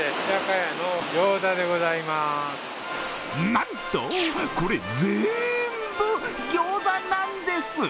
なんと、これぜんぶ餃子なんです。